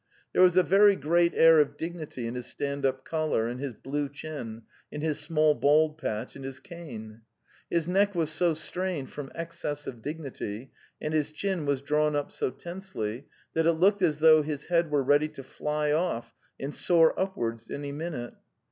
There was a very great air of dig nity in his stand up collar, in his blue chin, in his small bald patch and his cane. His neck was so strained from excess of dignity, and his chin was drawn up so tensely, that it looked as though his head were ready to fly off and soar upwards any minute.